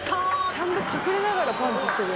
ちゃんと隠れながらパンチしてる。